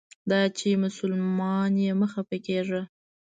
دا چې مسلمان یې مه خپه کیږه.